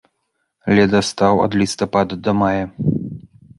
Ледастаў ад лістапада да мая.